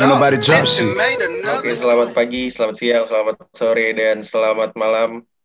selamat pagi selamat siang selamat sore dan selamat malam